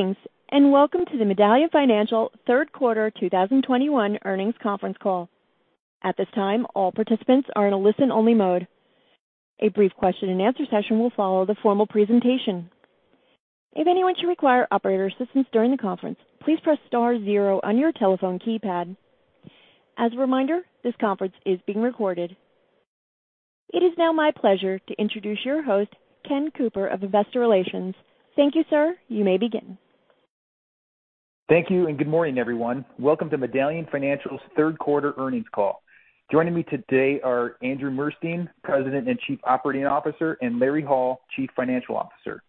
Greetings, and welcome to the Medallion Financial third quarter 2021 earnings conference call. At this time, all participants are in a listen-only mode. A brief question-and-answer session will follow the formal presentation. If anyone should require operator assistance during the conference, please press star zero on your telephone keypad. As a reminder, this conference is being recorded. It is now my pleasure to introduce your host, Ken Cooper of Investor Relations. Thank you, sir. You may begin. Thank you, and good morning, everyone. Welcome to Medallion Financial's third quarter earnings call. Joining me today are Andrew Murstein, President and Chief Operating Officer, and Larry D. Hall, Chief Financial Officer.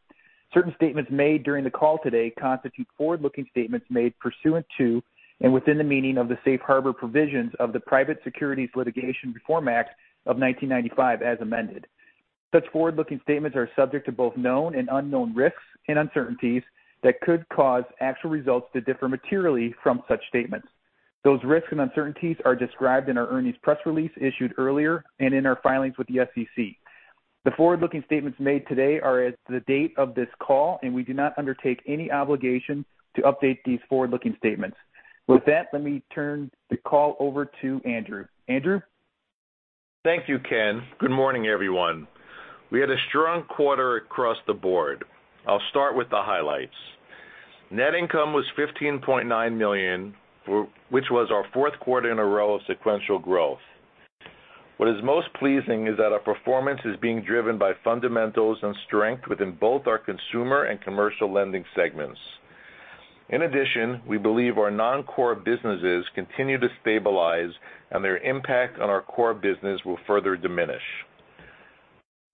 Certain statements made during the call today constitute forward-looking statements made pursuant to and within the meaning of the Safe Harbor Provisions of the Private Securities Litigation Reform Act of 1995 as amended. Such forward-looking statements are subject to both known and unknown risks and uncertainties that could cause actual results to differ materially from such statements. Those risks and uncertainties are described in our earnings press release issued earlier and in our filings with the SEC. The forward-looking statements made today are as of the date of this call, and we do not undertake any obligation to update these forward-looking statements. With that, let me turn the call over to Andrew. Andrew? Thank you, Ken. Good morning, everyone. We had a strong quarter across the board. I'll start with the highlights. Net income was $15.9 million, which was our fourth quarter in a row of sequential growth. What is most pleasing is that our performance is being driven by fundamentals and strength within both our consumer and commercial lending segments. In addition, we believe our non-core businesses continue to stabilize, and their impact on our core business will further diminish.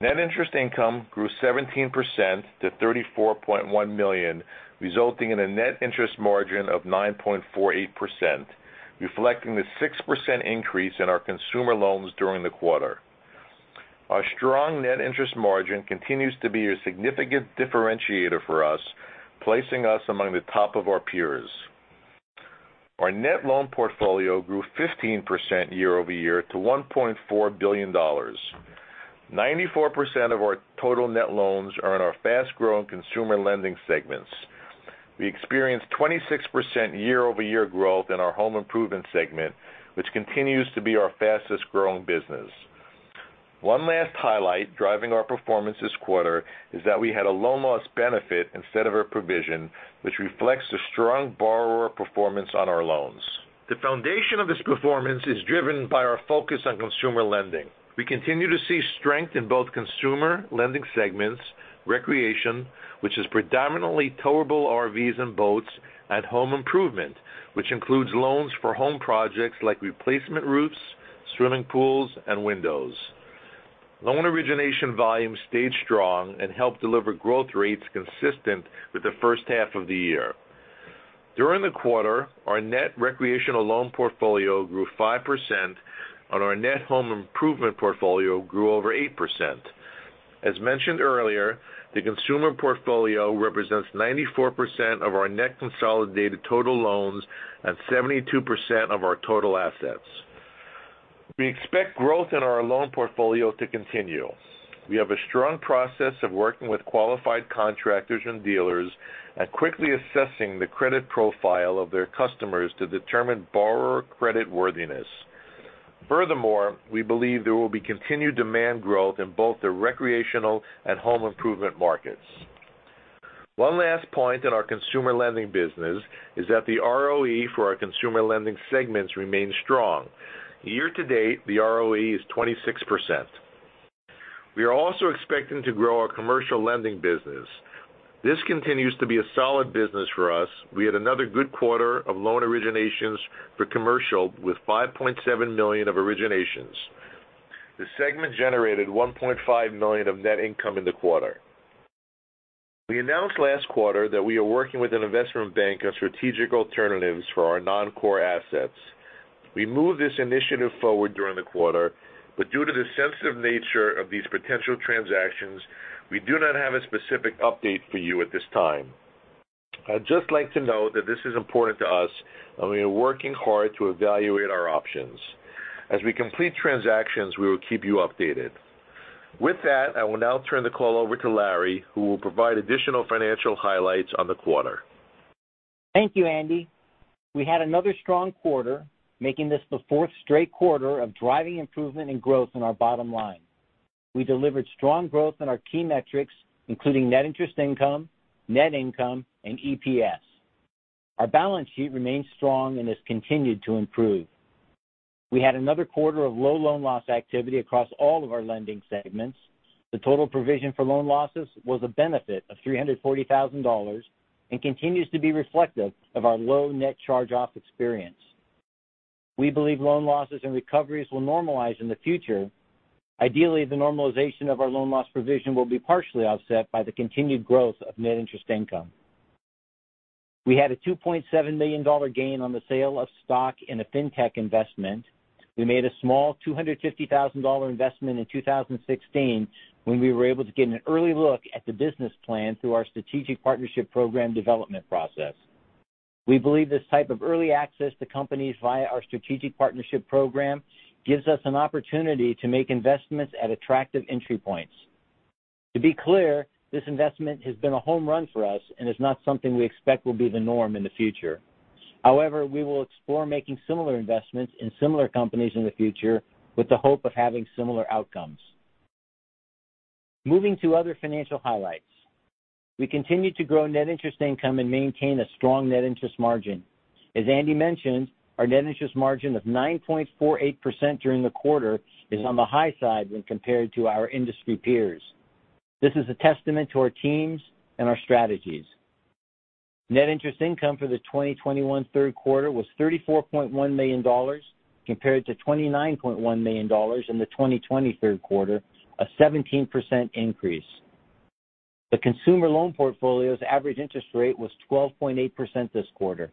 Net interest income grew 17% to $34.1 million, resulting in a net interest margin of 9.48%, reflecting the 6% increase in our consumer loans during the quarter. Our strong net interest margin continues to be a significant differentiator for us, placing us among the top of our peers. Our net loan portfolio grew 15% year-over-year to $1.4 billion. 94% of our total net loans are in our fast-growing consumer lending segments. We experienced 26% year-over-year growth in our home improvement segment, which continues to be our fastest-growing business. One last highlight driving our performance this quarter is that we had a loan loss benefit instead of a provision which reflects the strong borrower performance on our loans. The foundation of this performance is driven by our focus on consumer lending. We continue to see strength in both consumer lending segments, recreation, which is predominantly towable RVs and boats, and home improvement, which includes loans for home projects like replacement roofs, swimming pools, and windows. Loan origination volume stayed strong and helped deliver growth rates consistent with the first half of the year. During the quarter, our net recreational loan portfolio grew 5%, and our net home improvement portfolio grew over 8%. As mentioned earlier, the consumer portfolio represents 94% of our net consolidated total loans and 72% of our total assets. We expect growth in our loan portfolio to continue. We have a strong process of working with qualified contractors and dealers and quickly assessing the credit profile of their customers to determine borrower creditworthiness. Furthermore, we believe there will be continued demand growth in both the recreational and home improvement markets. One last point in our consumer lending business is that the ROE for our consumer lending segments remains strong. Year to date, the ROE is 26%. We are also expecting to grow our commercial lending business. This continues to be a solid business for us. We had another good quarter of loan originations for commercial with $5.7 million of originations. The segment generated $1.5 million of net income in the quarter. We announced last quarter that we are working with an investment bank on strategic alternatives for our non-core assets. We moved this initiative forward during the quarter, but due to the sensitive nature of these potential transactions, we do not have a specific update for you at this time. I'd just like to note that this is important to us, and we are working hard to evaluate our options. As we complete transactions, we will keep you updated. With that, I will now turn the call over to Larry, who will provide additional financial highlights on the quarter. Thank you, Andy. We had another strong quarter, making this the fourth straight quarter of driving improvement and growth in our bottom line. We delivered strong growth in our key metrics, including net interest income, net income, and EPS. Our balance sheet remains strong and has continued to improve. We had another quarter of low loan loss activity across all of our lending segments. The total provision for loan losses was a benefit of $340,000 and continues to be reflective of our low net charge-off experience. We believe loan losses and recoveries will normalize in the future. Ideally, the normalization of our loan loss provision will be partially offset by the continued growth of net interest income. We had a $2.7 million gain on the sale of stock in a fintech investment. We made a small $250,000 investment in 2016 when we were able to get an early look at the business plan through our Strategic Partnership Program development process. We believe this type of early access to companies via our Strategic Partnership Program gives us an opportunity to make investments at attractive entry points. To be clear, this investment has been a home run for us and is not something we expect will be the norm in the future. However, we will explore making similar investments in similar companies in the future with the hope of having similar outcomes. Moving to other financial highlights. We continue to grow net interest income and maintain a strong net interest margin. As Andy mentioned, our net interest margin of 9.48% during the quarter is on the high side when compared to our industry peers. This is a testament to our teams and our strategies. Net interest income for the 2021 third quarter was $34.1 million compared to $29.1 million in the 2020 third quarter, a 17% increase. The consumer loan portfolio's average interest rate was 12.8% this quarter.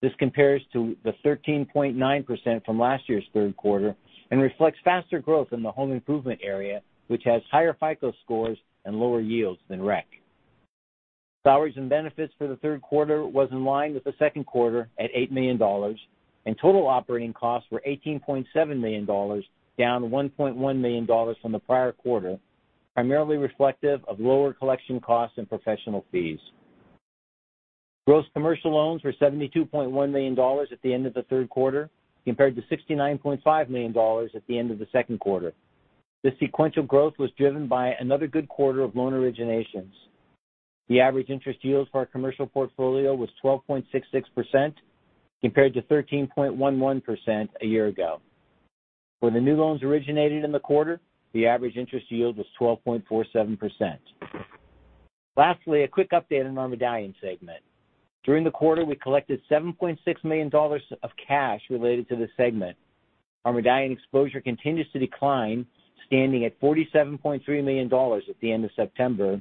This compares to the 13.9% from last year's third quarter and reflects faster growth in the home improvement area, which has higher FICO scores and lower yields than REC. Salaries and benefits for the third quarter was in line with the second quarter at $8 million, and total operating costs were $18.7 million, down $1.1 million from the prior quarter, primarily reflective of lower collection costs and professional fees. Gross commercial loans were $72.1 million at the end of the third quarter compared to $69.5 million at the end of the second quarter. This sequential growth was driven by another good quarter of loan originations. The average interest yield for our commercial portfolio was 12.66% compared to 13.11% a year ago. For the new loans originated in the quarter, the average interest yield was 12.47%. Lastly, a quick update on our Medallion segment. During the quarter, we collected $7.6 million of cash related to this segment. Our Medallion exposure continues to decline, standing at $47.3 million at the end of September,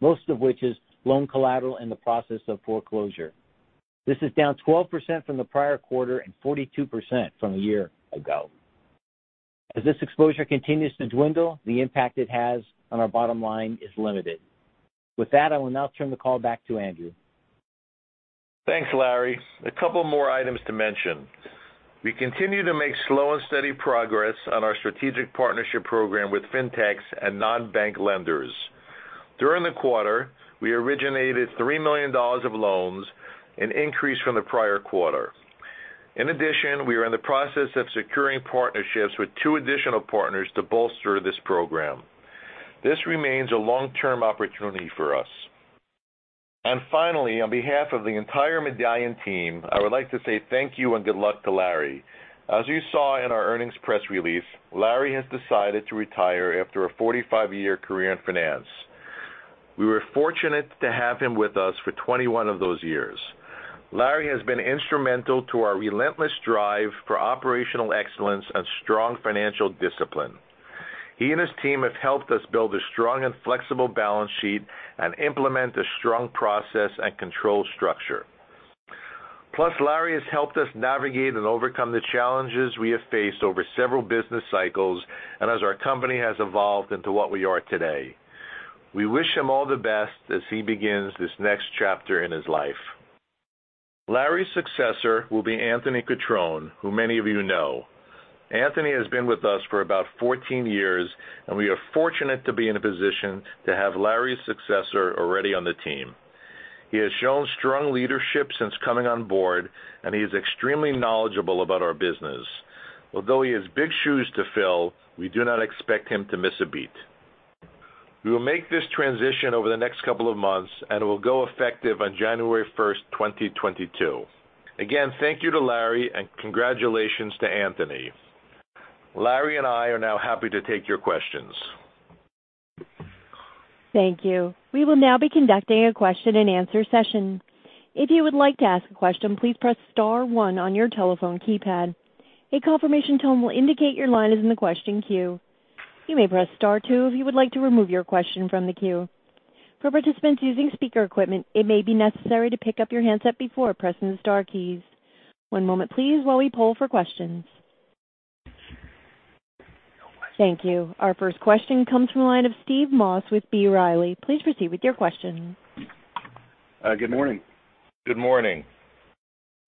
most of which is loan collateral in the process of foreclosure. This is down 12% from the prior quarter and 42% from a year ago. As this exposure continues to dwindle, the impact it has on our bottom line is limited. With that, I will now turn the call back to Andrew. Thanks, Larry. A couple more items to mention. We continue to make slow and steady progress on our strategic partnership program with Fintechs and non-bank lenders. During the quarter, we originated $3 million of loans, an increase from the prior quarter. In addition, we are in the process of securing partnerships with two additional partners to bolster this program. This remains a long-term opportunity for us. Finally, on behalf of the entire Medallion team, I would like to say thank you and good luck to Larry. As you saw in our earnings press release, Larry has decided to retire after a 45-year career in finance. We were fortunate to have him with us for 21 of those years. Larry has been instrumental to our relentless drive for operational excellence and strong financial discipline. He and his team have helped us build a strong and flexible balance sheet and implement a strong process and control structure. Plus, Larry has helped us navigate and overcome the challenges we have faced over several business cycles and as our company has evolved into what we are today. We wish him all the best as he begins this next chapter in his life. Larry's successor will be Anthony Cutrone, who many of you know. Anthony has been with us for about 14 years, and we are fortunate to be in a position to have Larry's successor already on the team. He has shown strong leadership since coming on board, and he is extremely knowledgeable about our business. Although he has big shoes to fill, we do not expect him to miss a beat. We will make this transition over the next couple of months, and it will go effective on January 1, 2022. Again, thank you to Larry, and congratulations to Anthony. Larry and I are now happy to take your questions. Thank you. We will now be conducting a question-and-answer session. If you would like to ask a question, please press star one on your telephone keypad. A confirmation tone will indicate your line is in the question queue. You may press star two if you would like to remove your question from the queue. For participants using speaker equipment, it may be necessary to pick up your handset before pressing the star keys. One moment please while we poll for questions. Thank you. Our first question comes from the line of Steve Moss with B. Riley. Please proceed with your question. Good morning. Good morning.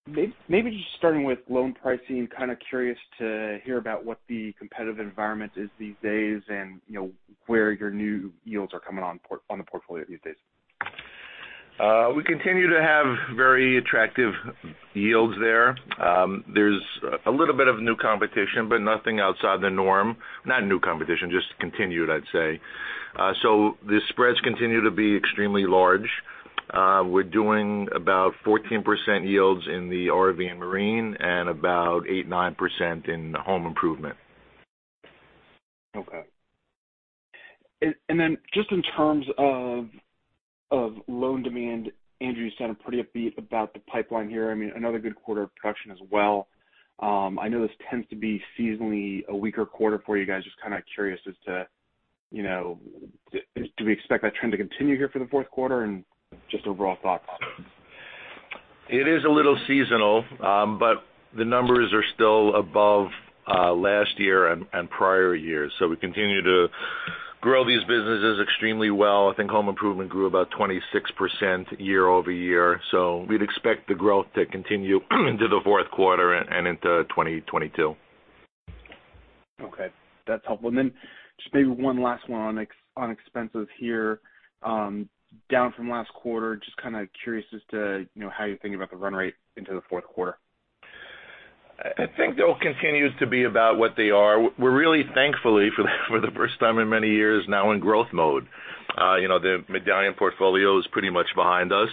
Maybe just starting with loan pricing, kind of curious to hear about what the competitive environment is these days and, you know, where your new yields are coming on the portfolio these days. We continue to have very attractive yields there. There's a little bit of new competition, but nothing outside the norm. Not new competition, just continued, I'd say. So the spreads continue to be extremely large. We're doing about 14% yields in the RV and marine and about 8%-9% in home improvement. Okay. Just in terms of loan demand, Andrew, you sound pretty upbeat about the pipeline here. I mean, another good quarter of production as well. I know this tends to be seasonally a weaker quarter for you guys. Just kind of curious as to, you know, do we expect that trend to continue here for the fourth quarter and just overall thoughts? It is a little seasonal, but the numbers are still above last year and prior years. We continue to grow these businesses extremely well. I think home improvement grew about 26% year-over-year. We'd expect the growth to continue into the fourth quarter and into 2022. Okay. That's helpful. Just maybe one last one on non-op ex expenses here, down from last quarter. Just kind of curious as to, you know, how you're thinking about the run rate into the fourth quarter. I think they'll continue to be about what they are. We're really thankful for the first time in many years now in growth mode. You know, the Medallion portfolio is pretty much behind us.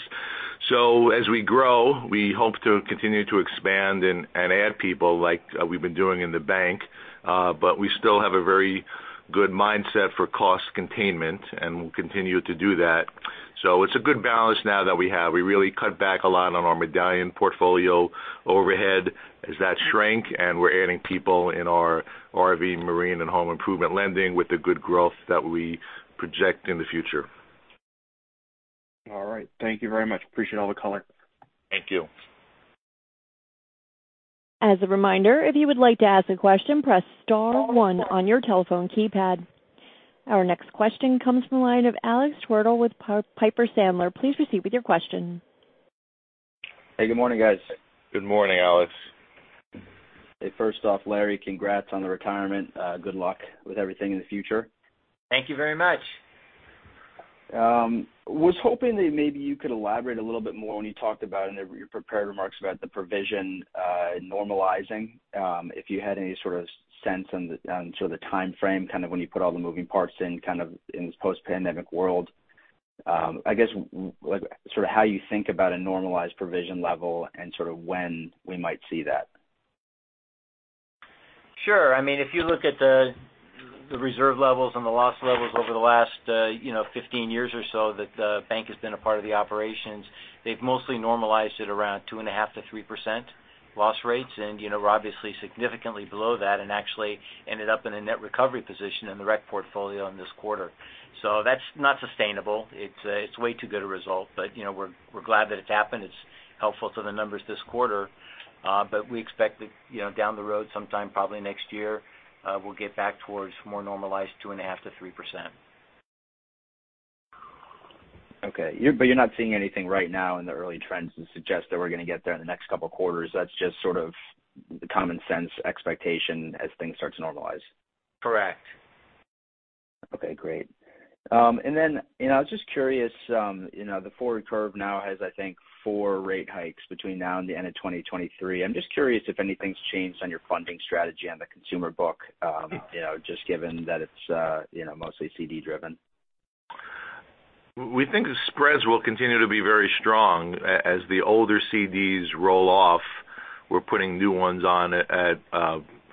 As we grow, we hope to continue to expand and add people like we've been doing in the bank. We still have a very good mindset for cost containment, and we'll continue to do that. It's a good balance now that we have. We really cut back a lot on our Medallion portfolio overhead as that shrank, and we're adding people in our RV, marine, and home improvement lending with the good growth that we project in the future. All right. Thank you very much. Appreciate all the color. Thank you. As a reminder, if you would like to ask a question, press star one on your telephone keypad. Our next question comes from the line of Alex Twerdahl with Piper Sandler. Please proceed with your question. Hey, good morning, guys. Good morning, Alex. Hey, first off, Larry, congrats on the retirement. Good luck with everything in the future. Thank you very much. I was hoping that maybe you could elaborate a little bit more when you talked about your prepared remarks about the provision normalizing, if you had any sort of sense on sort of the timeframe, kind of when you put all the moving parts in kind of this post-pandemic world. I guess like sort of how you think about a normalized provision level and sort of when we might see that. Sure. I mean, if you look at the reserve levels and the loss levels over the last, you know, 15 years or so that the bank has been a part of the operations, they've mostly normalized at around 2.5%-3% loss rates. You know, we're obviously significantly below that and actually ended up in a net recovery position in the rec portfolio in this quarter. That's not sustainable. It's way too good a result. You know, we're glad that it's happened. It's helpful to the numbers this quarter. We expect that, you know, down the road sometime probably next year, we'll get back towards more normalized 2.5%-3%. You're not seeing anything right now in the early trends to suggest that we're gonna get there in the next couple quarters. That's just sort of the common sense expectation as things start to normalize. Correct. Okay, great. Then, you know, I was just curious, you know, the forward curve now has, I think, four rate hikes between now and the end of 2023. I'm just curious if anything's changed on your funding strategy on the consumer book, you know, just given that it's, you know, mostly CD driven. We think the spreads will continue to be very strong. As the older CDs roll off, we're putting new ones on at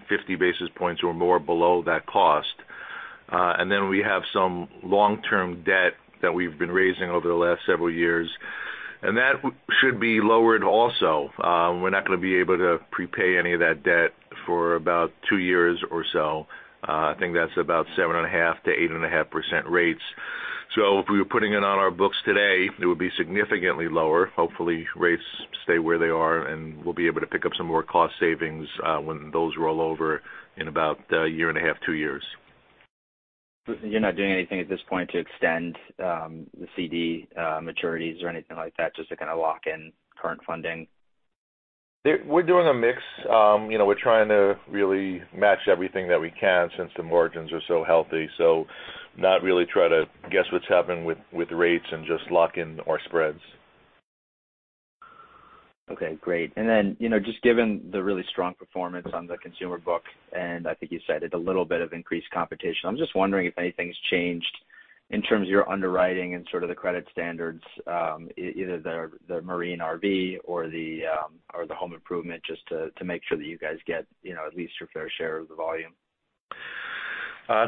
50 basis points or more below that cost. We have some long-term debt that we've been raising over the last several years, and that should be lowered also. We're not gonna be able to prepay any of that debt for about 2 years or so. I think that's about 7.5%-8.5% rates. If we were putting it on our books today, it would be significantly lower. Hopefully, rates stay where they are, and we'll be able to pick up some more cost savings when those roll over in about 1.5 years, 2 years. You're not doing anything at this point to extend the CD maturities or anything like that just to kind of lock in current funding? We're doing a mix. You know, we're trying to really match everything that we can since the margins are so healthy. Not really try to guess what's happening with rates and just lock in our spreads. Okay, great. You know, just given the really strong performance on the consumer book, and I think you said it, a little bit of increased competition. I'm just wondering if anything's changed in terms of your underwriting and sort of the credit standards, either the marine RV or the home improvement just to make sure that you guys get, you know, at least your fair share of the volume.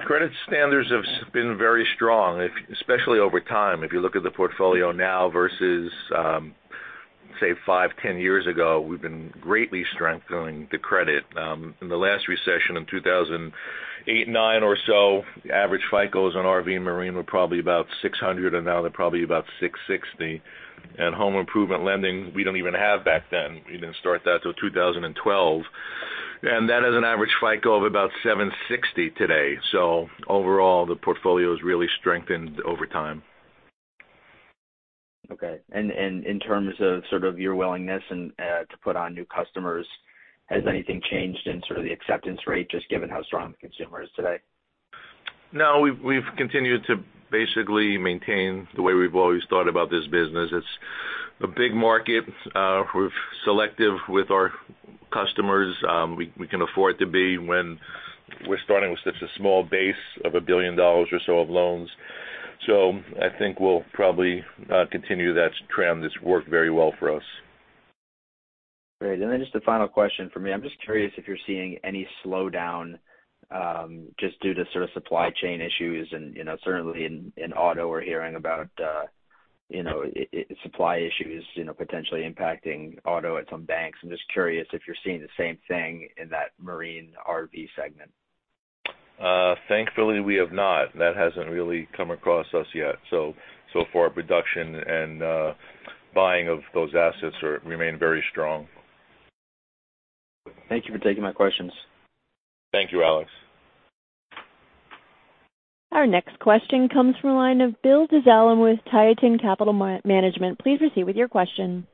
Credit standards have been very strong, especially over time. If you look at the portfolio now versus, say, 5, 10 years ago, we've been greatly strengthening the credit. In the last recession in 2008, 9 or so, average FICOs on RV and marine were probably about 600, and now they're probably about 660. Home improvement lending, we didn't even have back then. We didn't start that till 2012. That has an average FICO of about 760 today. Overall, the portfolio's really strengthened over time. Okay. In terms of sort of your willingness and to put on new customers, has anything changed in sort of the acceptance rate just given how strong the consumer is today? No, we've continued to basically maintain the way we've always thought about this business. It's a big market. We're selective with our customers. We can afford to be when we're starting with such a small base of $1 billion or so of loans. I think we'll probably continue that trend. It's worked very well for us. Great. Then just a final question from me. I'm just curious if you're seeing any slowdown, just due to sort of supply chain issues. You know, certainly in auto, we're hearing about, you know, supply issues, you know, potentially impacting auto at some banks. I'm just curious if you're seeing the same thing in that marine RV segment. Thankfully, we have not. That hasn't really come across us yet. So far production and buying of those assets remain very strong. Thank you for taking my questions. Thank you, Alex. Our next question comes from the line of Bill Dezellem with Tieton Capital Management. Please proceed with your question.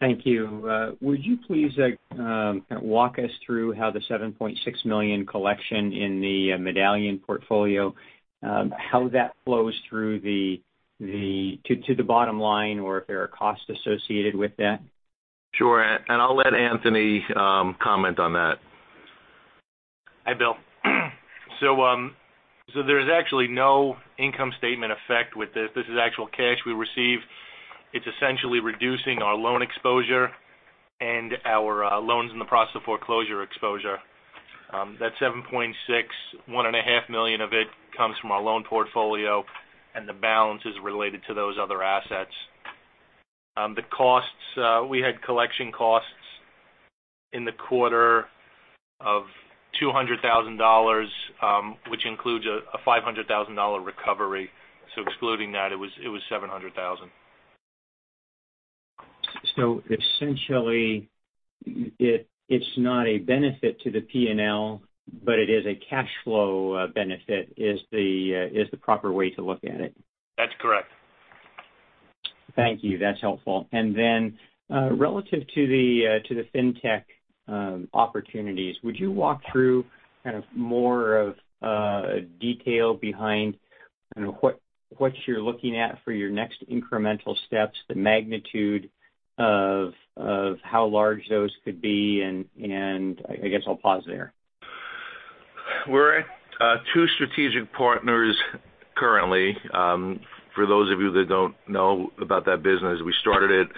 Thank you. Would you please, like, kind of walk us through how the $7.6 million collection in the Medallion portfolio flows through to the bottom line or if there are costs associated with that? Sure. I'll let Anthony comment on that. Hi, Bill. There's actually no income statement effect with this. This is actual cash we received. It's essentially reducing our loan exposure and our loans in the process of foreclosure exposure. That's $7.6 million, $1.5 million of it comes from our loan portfolio, and the balance is related to those other assets. The costs, we had collection costs in the quarter of $200,000, which includes a $500,000 recovery. Excluding that, it was $700,000. Essentially, it's not a benefit to the P&L, but it is a cash flow benefit, is the proper way to look at it? That's correct. Thank you. That's helpful. Relative to the fintech opportunities, would you walk through kind of more of detail behind kind of what you're looking at for your next incremental steps, the magnitude of how large those could be? I guess I'll pause there. We're at 2 strategic partners currently. For those of you that don't know about that business, we started it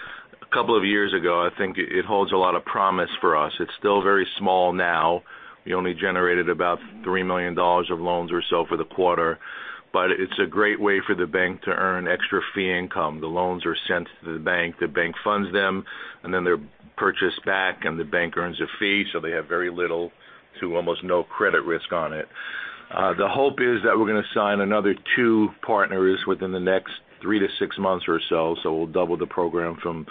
a couple of years ago. I think it holds a lot of promise for us. It's still very small now. We only generated about $3 million of loans or so for the quarter, but it's a great way for the bank to earn extra fee income. The loans are sent to the bank, the bank funds them, and then they're purchased back and the bank earns a fee, so they have very little to almost no credit risk on it. The hope is that we're gonna sign another 2 partners within the next 3-6 months or so we'll double the program from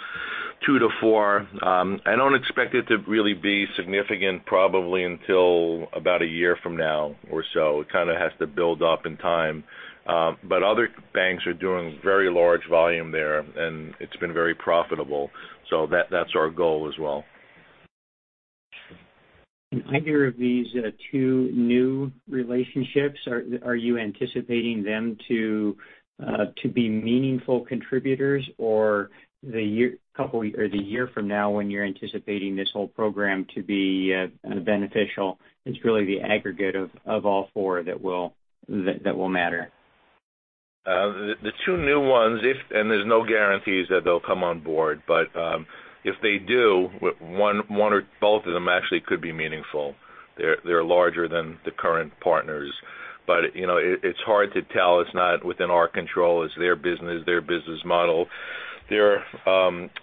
2 to 4. I don't expect it to really be significant probably until about a year from now or so. It kind of has to build up in time. Other banks are doing very large volume there, and it's been very profitable. That's our goal as well. In either of these two new relationships, are you anticipating them to be meaningful contributors? A year or a couple or a year from now, when you're anticipating this whole program to be beneficial, it's really the aggregate of all four that will matter. The two new ones, and there's no guarantees that they'll come on board, but if they do, one or both of them actually could be meaningful. They're larger than the current partners, but, you know, it's hard to tell. It's not within our control. It's their business, their business model. They're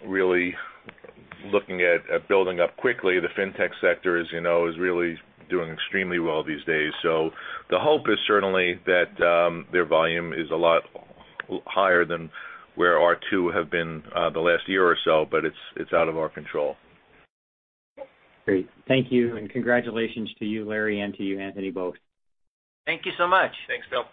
really looking at building up quickly. The Fintech sector, as you know, is really doing extremely well these days. So the hope is certainly that their volume is a lot higher than where our two have been the last year or so, but it's out of our control. Great. Thank you and congratulations to you, Larry, and to you, Anthony, both. Thank you so much. Thanks, Bill.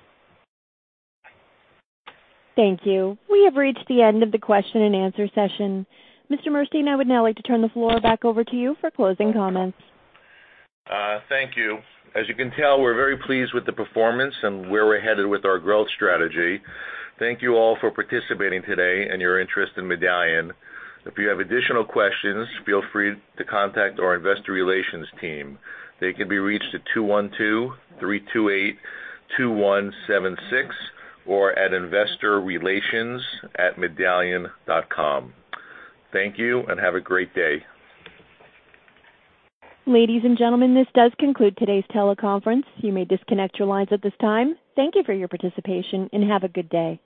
Thank you. We have reached the end of the question and answer session. Andrew Murstein, I would now like to turn the floor back over to you for closing comments. Thank you. As you can tell, we're very pleased with the performance and where we're headed with our growth strategy. Thank you all for participating today and your interest in Medallion. If you have additional questions, feel free to contact our investor relations team. They can be reached at 212-328-2176 or at investorrelations@medallion.com. Thank you and have a great day. Ladies and gentlemen, this does conclude today's teleconference. You may disconnect your lines at this time. Thank you for your participation, and have a good day.